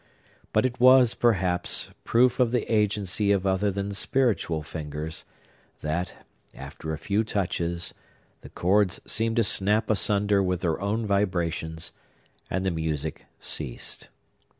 But it was, perhaps, proof of the agency of other than spiritual fingers, that, after a few touches, the chords seemed to snap asunder with their own vibrations, and the music ceased.